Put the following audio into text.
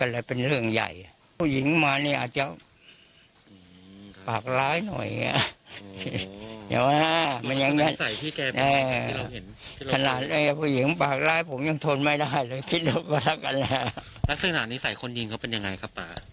และซึ่งหนักนิสัยคนยิงเขาเป็นยังไงครับป๊า